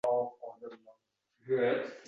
Do’st bo’ladi o’tli yaralar